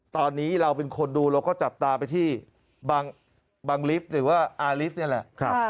ตอนนี้เราเป็นคนดูเราก็จับตาไปที่บางลิฟต์หรือว่าอาลิสนี่แหละ